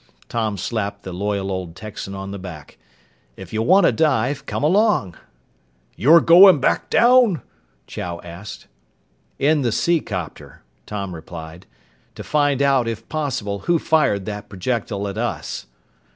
Tom slapped the loyal old Texan on the back. "If you want a dive, come along." "You're goin' back down?" Chow asked. "In the seacopter," Tom replied. "To find out, if possible, who fired that projectile at us."